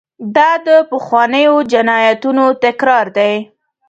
دا د پخوانیو جنایاتو تکرار دی.